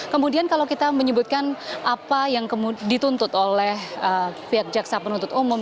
kemudian kalau kita menyebutkan apa yang dituntut oleh pihak jaksa penuntut umum